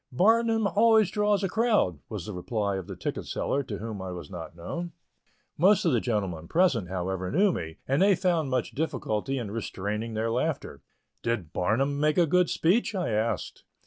Barnum always draws a crowd," was the reply of the ticket seller, to whom I was not known. Most of the gentlemen present, however, knew me, and they found much difficulty in restraining their laughter. "Did Barnum make a good speech?" I asked.